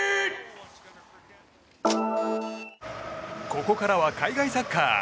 ここからは海外サッカー。